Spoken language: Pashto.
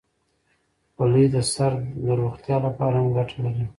خولۍ د سر د روغتیا لپاره هم ګټه لري.